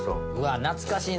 懐かしいな。